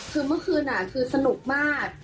คือเมื่อคืนคือสนุกมาก